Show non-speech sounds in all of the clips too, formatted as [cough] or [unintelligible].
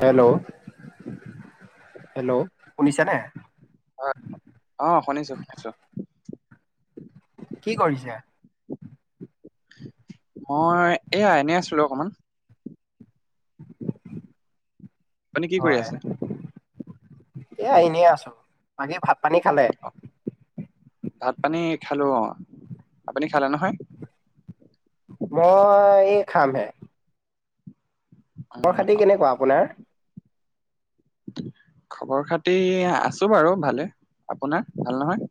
Hello hello শুনিছা নে? হয় অ শুনিছো শুনিছো কি কৰিছে? অ এয়া এনেই আছিলো অকমান। [inaudible] আপুনি কি কৰি হয় আছে? এয়া এনেই আছো বাকী ভাত পানী খালে। ভাত পানী খালো অ, আপুনি খালে নহয়? মই এই খাম হে উম, খবৰ-খাতি কেনেকুৱা আপোনাৰ খবৰ খাতি আছো বাৰু ভালে আপোনাৰ ভাল নহয়।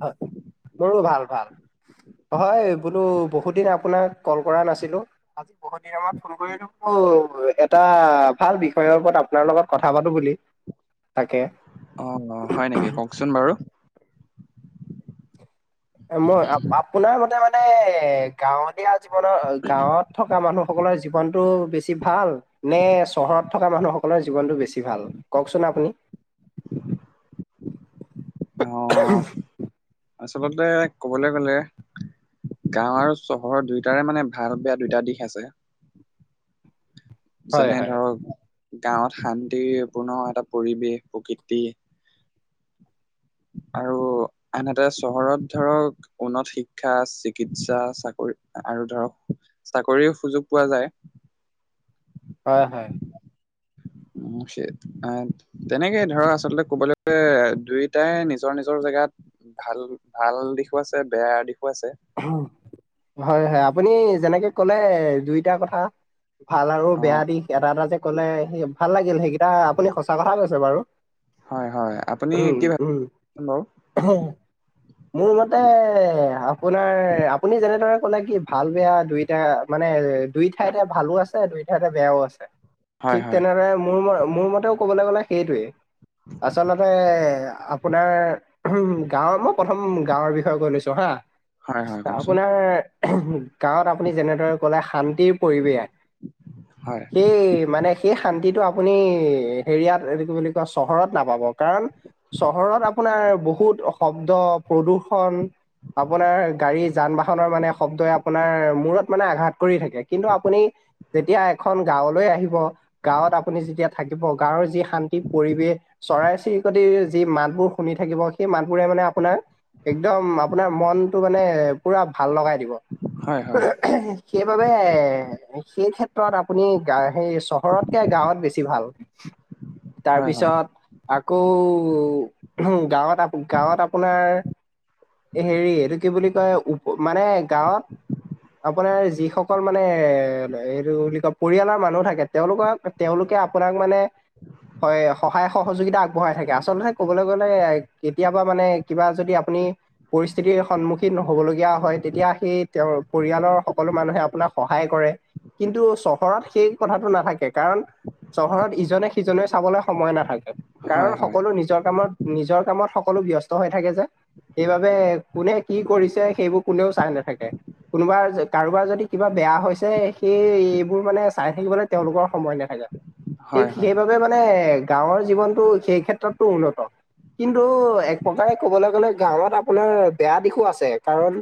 ভাল, মোৰো ভাল ভাল হয়, বোলো বহুত দিন আপোনাক কল কৰা নাছিলো। আজি বহুত দিনৰ মূৰত ফোন কৰিলো। তো একেটা ভাল বিষয়ৰ ওপৰত আপোনাৰ লগত কথা পাতো বুলি তাকে অ অ, হয় নেকি কওকচোন বাৰু এ মই আ আপোনাৰ মতে মানে এ গাঁৱলীয়া জীৱনৰ গাঁৱত থকা মানুহ সকলৰো জীৱনতটো বেছি ভাল নে চহৰত থকা মানুহসকলৰ জীৱনতটো বেছি ভাল কওকচোন আপ আপুনি [unintelligible] আহ আচলতে ক'বলৈ গ'লে গাঁৱ আৰু চহৰৰ দুইটাৰে মানে ভাল বেয়া দুইটা দিশ আছে। হয় যেনে হয় ধৰক, গাঁৱত শান্তিৰপূৰ্ণ এটা পৰিৱেশ প্ৰকৃতি আৰু আনহাতে চহৰত ধৰক উন্নত শিক্ষা, চিকিৎসা, চাকৰি আৰু ধৰক চাকৰিও সুযোগ পোৱা যায়। হয় হয়। মুসেদ এ তেনেকেই ধৰক আচলতে ক'বলৈ গ'লে দুইটাই নিজৰ নিজৰ জেগাত ভাল ভাল দিশো আছে বেয়া দিশো আছে উমহু, হয় হয় আপুনি যেনেকে কলে দুইটা কথা ভাল আৰু অ বেয়া দিশ এটা এটা যে কলে সে ভাল লাগিল সেইকেইটা আপুনি সঁচা কথা কৈছে বাৰু হয় হয় আপুনি হুম কি ভাবে উম বাৰু অহ্ হহ। মোৰ মতে আপ আপোনাৰ আপুনি যেনেদৰে কলে কি ভাল বেয়া দুইটা মানে দুই ঠাইতে ভালো আছে দুই পিঠাতে বেয়াও আছে হয় ঠিক হয় তেনেদৰে মোৰ ম মোৰ মতেও কবলৈ গলে সেইটোৱে আচলতে আপোনাৰ উমহু হু গাঁৱৰ মোক প্ৰথম গাঁৱৰ বিষয়ে কৈ লৈছো হা, হয় হয় কওকচোন আপোনাৰ গাঁৱত আপুনি যেনেদৰে ক'লে শান্তিৰ পৰিৱেশ হয় সেই মানে সেই শান্তিটো আপুনি হেৰিয়াত এই কি বুলি কয় চহৰত নাপাব কাৰণ চহৰত আপোনাৰ বহুত শব্দ প্ৰদূৰ্ষন আপোনাৰ গাড়ী যান বাহনৰ মানে শব্দই আপোনাৰ মূৰত মানে আঘাত কৰি থাকে কিন্তু আপুনি যেতিয়া এখন গাঁৱলৈ আহিব গাঁৱত আপুনি যেতিয়া থাকিব গাঁৱৰ যি শান্তি পৰিৱেশ চৰাই-চিৰিকটি যি মাতবোৰ শুনি থাকিব, সেই মাতবোৰে মানে আপোনাৰ একদম আপোনাৰ মন মানে পুৰা ভাল লগাই দিব, হয় হয় সেইবাবে সেই ক্ষেত্ৰত আপুনি গ সেই চহৰতকে গাঁৱত বেছি ভাল। হয় হয় তাৰপিছত আকৌ গাঁৱত আ গাঁৱত আপোনাৰ হেৰি, এইটো কি বুলি কয় উপ মানে গাঁৱত আপোনাৰ যিসকল মানে এ এইটো বুলি কয় পৰিয়ালৰ মানুহ থাকে তেওঁলোকক তেওঁলোক আপোনাক মানে হয় সহায় সহযোগিতা আগবঢ়াই থাকে আচলতে কবলৈ গলে কেতিয়াবা মানে কিবা যদি আপু পৰিস্থিতি সম্মুখীন হবলগীয়া হয় তেতিয়া সেই তেওঁৰ পৰিয়ালৰ সকলো মানুহে আপোনাক সহায় কৰে। কিন্তু চহৰত সেই কথাটো নাথাকে কাৰণ চহৰত ইজনে সিজনে চাবলৈ সময় নাথাকে কাৰণ হয় হয় সকলো নিজৰ কামত নিজৰ কামত সকলো ব্যস্ত হৈ থাকে যে সেইবাবে কোনে কি কৰিছে সেইবোৰ কোনেও চাই নাথাকে কোনোবা কাৰোবাৰ যদি কিবা বেয়া হৈছে সেই এইবোৰ মানে চাই থাকিবলৈ তেওঁলোকৰ সময় নাথাকে ঠিক হয় হয় হয় হয় সেইবাবে মানে গাঁৱৰ জীৱনতটো সেই ক্ষেত্ৰতো উন্নত কিন্তু এক প্ৰকাৰে ক'বলৈ গ'লে গাঁৱত আপোনাৰ বেয়াত দিশো আছে কাৰণ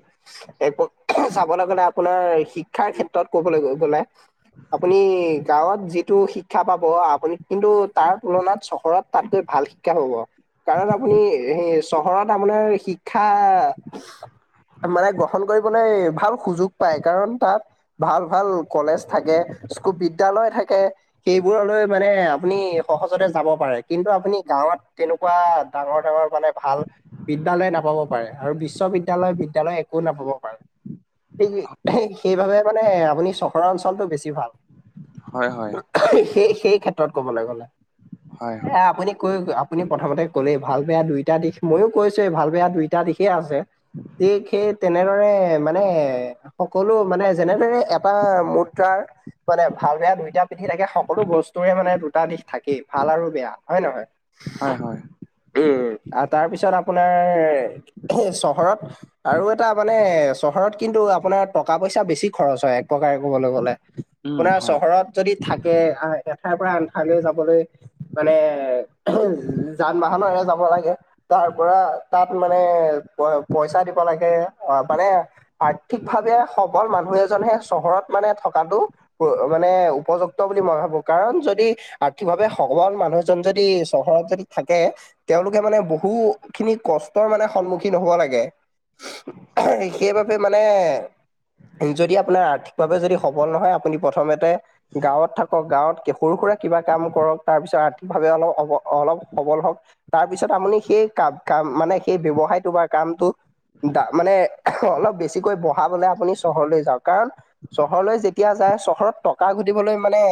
চাওক ক'বলৈ গ'লে আপোনাৰ শিক্ষাৰ ক্ষেত্ৰত ক'বলৈ গ'লে আপুনি গাঁৱত যিটো শিক্ষা পাব আপুনি কিন্তু তাৰ তুলনাত চহৰত তাত গৈ ভাল শিক্ষা পাব। কাৰণ আপুনি সেই চহৰত আপোনাৰ শিক্ষা মানে গ্ৰহণ কৰিবলৈ ভাল সুযোগ পায় কাৰণ তাত ভাল ভাল কলেজ থাকে স্কুল বিদ্যয়ালয় থাকে সেইবোৰলৈ মানে আপুনি সহজতে যাব পাৰে কিন্তু আপুনি গাঁৱত তেনেকুৱা ডাঙৰ ডাঙৰ মানে ভাল বিদ্যালয় নাপাব পাৰে। আৰু বিশ্ববিদ্যালয় বিদ্যালয় একো নাপাব পাৰে। সেই সেইবাবে মানে আপুনি চহৰৰ অঞ্চলটো বেছি ভাল। হয় সেই সেই ক্ষেত্ৰত কবলৈ গ'লে। হয় এ আপুনি কৈ আপুনি প্ৰথমতে ক'লেই ভাল বেয়া দুইটা দিশ মইয়ো কৈছোৱে ভাল বেয়া দুইটা দিশে আছে, ঠিক সেই তেনেদৰে মানে সকলো মানে যেনেদৰে এটা মুদ্ৰাৰ মানে ভাল বেয়া দুইটা পিঠি থাকে সকলো বস্তুৰে মানে দুটা দিশ থাকেই ভাল আৰু বেয়া হয় নহয় হয় হয়। উম আৰু তাৰপিছত আপোনাৰ চহৰত আৰু এটা মানে চহৰত কিন্তু আপোনাৰ টকা পইচা বেছি খৰচ হয় এক প্ৰকাৰে ক'বলৈ গ'লে। উম আপোনাৰ হয় চহৰত যদি থাকে আহ এঠাইৰ পৰা আনঠাইলৈ যাবলৈ মানে যান বাহনৰৰে যাব লাগে। তাৰ পৰা তাত মানে পইচা দিব লাগে অ মানে আৰ্থিক ভাৱে সবল মানুহ এজনেহে চহৰত মানে থকাটো মানে উপযুক্ত বুলি মই ভাবো কাৰণ যদি আৰ্থিকভাৱে সবল মানুহ এজন যদি চহৰত যদি থাকে তেওঁলোকে মানে বহু খিনি কষ্টৰ মানে সন্মুখীন সম্মুখীন হ'ব লাগে সেইবাবে মানে যদি আপোনাৰ আৰ্থিকভাৱে যদি সবল নহয় আপুনি প্ৰথমতে গাঁৱত থাকক গাঁৱত সৰু সুৰা কিবা কিব কাম কৰক তাৰপিছত আৰ্থিকভাৱে অলপ অ অলপ সবল হওঁক তাৰপিছত আপুনি সেই কাম কাম মানে সেই ব্যৱসায়টো বা কামটো দা মানে অলপ বেছিকৈ বহাবলে আপুনি চহৰলৈ যাওক কাৰণ চহৰলৈ যেতিয়া যা চহৰত টকা ঘটিবলৈ মানে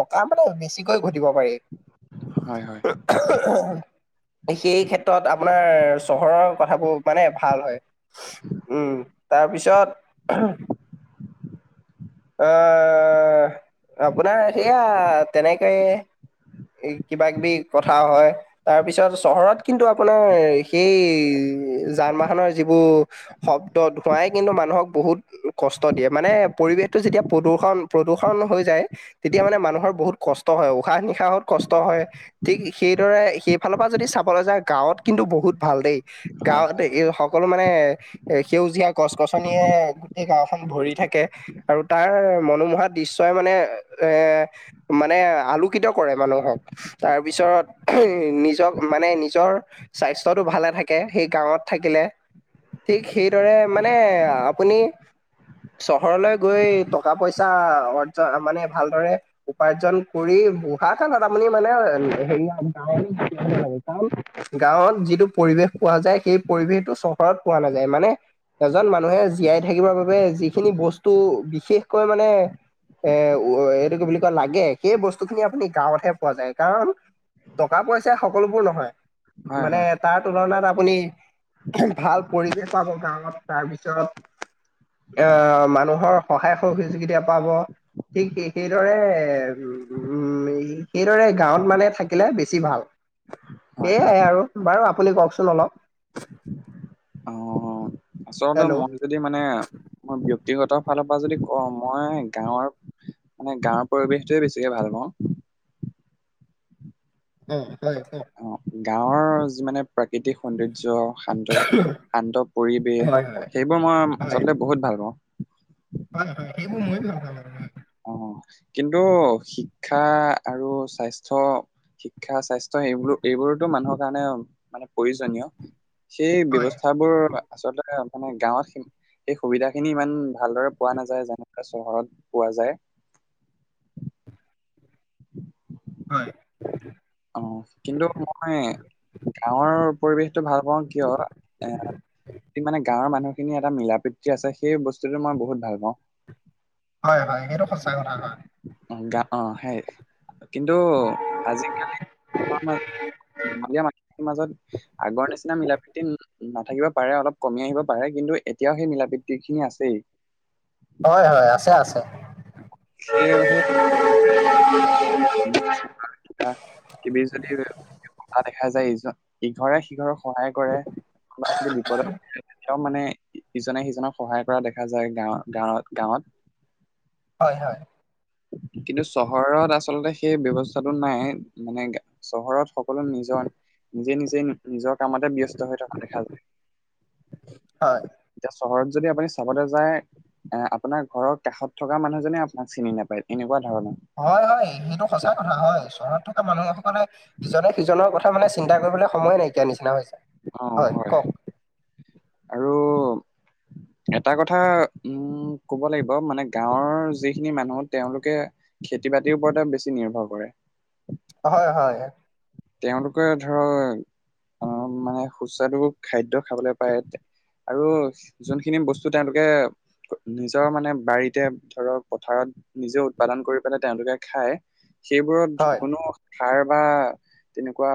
টকা মানে বেছিকৈ ঘটিব পাৰি হয় হয় হয় সেই ক্ষেত্ৰত আপোনাৰ চহৰৰ কথাবোৰ মানে ভাল হয় উম তাৰ পিছত অ--হ আপোনাৰ সেয়া তেনেকেই এ কিবা কিবি কথা হয় তাৰ পিছত চহৰত কিন্তু আপোনাৰ সেই যান বাহনৰ যিবোৰ শব্দ ধোৱাই কিন্তু মানুহক বহুত কষ্ট দিয়ে মানে পৰিৱেশ টো যেতিয়া প্ৰদূৰ্ষণ প্ৰদূৰণ হৈ যায় তেতিয়া মানে মানুহৰ বহুত কষ্ট হয় উশাহ নিশাহত কষ্ট হয়। হয় ঠিক সেইদৰে সেইফালৰ পৰা যদি চাবলৈ যা গাঁৱত কিন্তু বহুত ভাল দেই। হয় গাঁৱতে এই সকলো মানে মানে সেউজীয়া গছ গছনিয়ে গোটেই গাওঁখন ভৰি থাকে। আৰু তাৰ মনোমোহা দৃশ্যই মানে এ মানে আলোকিত কৰে মানুহক। তাৰ পিছত নিজক মানে নিজৰ স্বাস্থ্যটো ভালে থাকে সেই গাঁৱত থাকিলে ঠিক সেইদৰে মানে আপুনি চহৰলৈ গৈ টকা পইচা অৰ্জন মানে ভালদৰে উপাৰ্জন কৰি বঢ়া কালত আমি মানে হে গ কাৰণ গাঁৱত যিটো পৰিৱেশ পোৱা যায় সেই পৰিৱেশ টো চহৰত পোৱা নাযায়। মানে এজন মানুহে জীয়াই থাকিব বাবে যিখিনি বস্তু বিশেষকৈ মানে এ এইটো কি বুলি লাগে সেই বস্তু খিনি আপুনি গাঁৱতহে পোৱা যায় কাৰণ টকা পইচা সকলোবোৰ নহয়। হয় মানে হয় তাৰ তুলনাত আ- আপুনি ভাল পৰিৱেশ পাব গাঁৱত তাৰপিছত আহ মানুহৰ সহায় সহুযোগিতা পাব। ঠিক সেইদৰে উ সেইদৰে গাঁৱত মানে থাকিলে বেছি ভাল। হয় সেয়াই আৰু বাৰু আপুনি কওকচোন অলপ। অঁ আচলতে হেল্ল' মই অ যদি মানে মই ব্যক্তিগত ফালৰ পৰা যদি কওঁ মই গাঁৱৰ মানে গাঁৱৰ পৰিৱেশটোৱে বেছিকে ভাল পাওঁ। অ হয় ক অ', গাঁৱৰ যি মানে প্ৰাকৃতিক সৌন্দৰ্য্য শান্ত শান্ত হয় হয় পৰিৱেশ সেইবোৰ মই হয় আচলতে বহুত ভাল পাওঁ। হয় হয় সেইবোৰ মই ভাল পাম আৰু অঁ কিন্তু শিক্ষা আৰু স্বাস্থ্য। শিক্ষা স্বাস্থ্য এইবোৰ এইবোৰতো মানুহৰ কাৰণে মানে প্ৰয়োজনীয়। সেই হয় ব্যৱস্থা বোৰ আচলতে মানে গাঁৱত সেই সুবিধা খিনি ইমান ভাল। ভালদৰে পোৱা নাযায়, যেনেকে চহৰত পোৱা যায়। [unintelligible] হয়। অঁ কিন্তু মই। গাঁৱৰ পৰিৱেশতটো ভাল পাওঁ কিয় এ। মানে গাঁৱৰ মানুহ খিনি এটা মিলা প্ৰীতি আছে সেই বস্তুতটো মই বহুত ভাল পাওঁ। হয় হয় সেইটো সঁচা কথা হয়। অঁ গা অঁ সেইয় কিন্তু আজিকালিয়া ম মাজত আগৰ নিচিনা মিলা প্ৰীতি নাথাকিব পাৰে, অলপ কমি আহিব পাৰে কিন্তু এতিয়াও সেই মিলা‌ প্ৰীতি। একে খিনি আছে। হয় হয় আছে আছে। সেয়েহে। [unintelligible] দেখা যায় ই ইঘৰে সিঘৰক সহায় কৰে, আ যদি বিপদত। একদম মানে ইজনে সিজনক সহায় কৰা দেখা, যায় গাঁৱ গাঁৱত গাঁৱত। হয় হয়। কিন্তু চহৰত আচলতে সেই ব্যৱস্থাটো নাই, মানে চহৰত সকলো নিজৰ। নিজে নিজে নিজৰ কামতে ব্যস্ত হৈ থকা দেখা যায়। হয় চহৰত যদি আপুনি চাবলৈ যায়, এ আপোনাৰ ঘৰৰ কাষত। থকা মানুহজনে আপোনাক চিনি নাপায় এনেকুৱ ধণে। হয় হয় সেইটো সঁচা কথা হয় চহৰত থকা মানুহ সকলে ইজনে সিজনৰ কথা মানে। চিন্তা কৰিবলৈ সময় নাইকিয়া নিচিনা হৈছে। অঁ হয়, আৰু। এটা কথা উম কব লাগিব মানে গাঁৱৰ যিখিনি মানুহ তেওঁলোকে। খেতি বাতিৰ ওপৰত বেছি নিৰ্ভৰ কৰে। হয় হয়। তেওঁলোকে ধৰ, মানে সুস্বাদু খাদ্যয় খাবলৈ পায়। আৰু যোনখিনি বস্তু তেওঁলোকে। নিজৰ মানে বাৰীতে ধৰক পথাৰত নিজে উৎপাদন কৰি পেলাই তেওঁলোকে খায়। সেইবোৰত হয় কোনো সাৰ বা। তেনেকুৱা,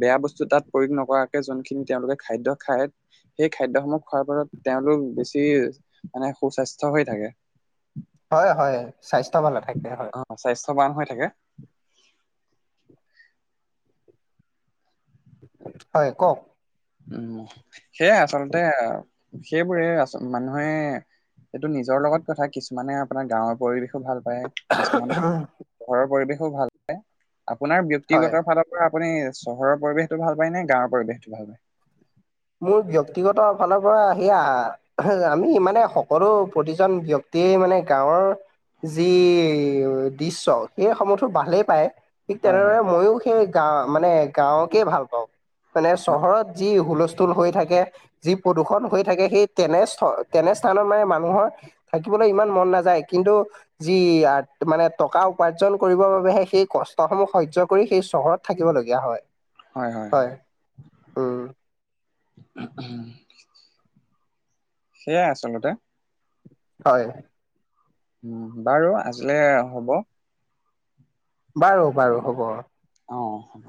বেয়া বস্তু তাত প্ৰয়োগ নকৰাকে যোনখিনি তেওঁলোকে খাদ্য খায় সেই। খাদ্যসমূহ খোৱাৰ ফলত তেওঁলোক, বেছি মানে সুস্বাস্থ্য হৈ থাকে। হয় হয় স্বাস্থ্য ভালে থাকে হয়। চাউথ বান হৈ থাকে। হয় কওঃক। উম সেইয়াই আচলতে সেইবোৰে আ মানুহে। এইটো নিজৰ লগত কথা কিছুমানে আপোনাৰ গাঁৱৰ পৰিৱেশ। ভাল প কিছুমান, ঘৰৰ পৰিৱেশো ভাল পায় আপোনাৰ হয় ব্যক্তিগত ফালৰ পৰা। আপুনি চহৰৰ পৰিৱেশতো ভাল পায় নে গাঁৱৰ পৰিৱেশতো ভাল পায়। মোৰ ব্যক্তিগত ফালৰ পৰা সেয়া আমি মানে সকলো প্ৰতিজন ব্যক্তি। গোটেই মানে গাঁৱৰ, যি দৃশ্য সেই সমূহো ভালেই পায়। ঠিক হয়, তেনেদৰে হয়, মইও সেই গা মানে গাঁৱকে ভাল পাওঁ, মানে চহৰত যি হুলস্থ। হৈ থাকে যি প্ৰদূষণ হৈ থাকে সনে তেনে সানত মানে মানুহৰ থিব। ইমান মন নাযায় কিন্তু যি মানে টকা উপাৰ্জন কৰিবৰ বাবেহে সেই কষ্ট হম সহ্য কৰি সেই চহৰত থাকিবলীয়া হয়, হয় উম। উম। সেইয়াই আচলতে। হয়। উম বাৰু আজিলে হ'ব। বাৰু বাৰু হ'ব। অ হ'ব।